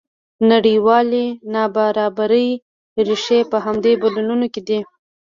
د نړیوالې نابرابرۍ ریښې په همدې بدلونونو کې دي.